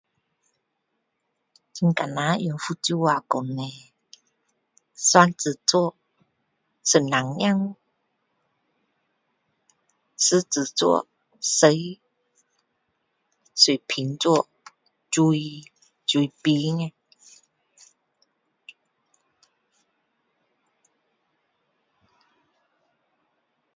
很难用福州话讲叻双子座双胞胎狮子座狮子水瓶座水水瓶啊